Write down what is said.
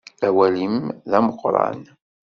Awal-im d ameqqran.